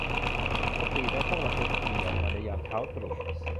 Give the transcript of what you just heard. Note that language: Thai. ปกติแล้วพวกเราจะขี่ออกมาในยามเช้าตรู่